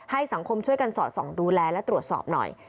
สังคมช่วยกันสอดส่องดูแลและตรวจสอบหน่อย